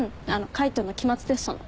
海斗の期末テストの。